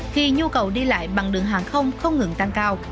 khi nhu cầu đi lại bằng đường hàng không không ngừng tăng cao